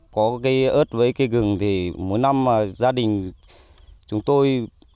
có cây ớt với cây gừng thì mỗi năm gia đình chúng tôi